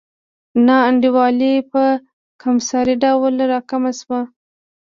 نا انډولي په کمسارې ډول راکمه شوه.